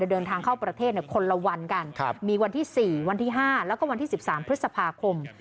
เดินทางเข้าประเทศคนละวันกันมีวันที่๔วันที่๕แล้วก็วันที่๑๓พฤษภาคม